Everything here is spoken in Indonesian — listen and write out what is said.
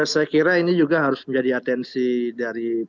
saya kira ini juga harus menjadi atensi dari